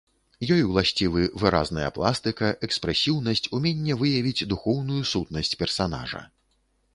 Ёй уласцівы выразная пластыка, экспрэсіўнасць, уменне выявіць духоўную сутнасць персанажа.